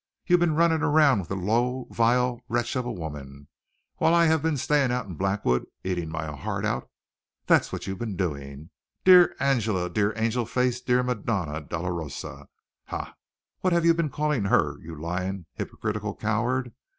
You've been running around with a low, vile wretch of a woman while I have been staying out in Blackwood eating my heart out, that's what you've been doing. Dear Angela! Dear Angelface! Dear Madonna Doloroso! Ha! What have you been calling her, you lying, hypocritical coward!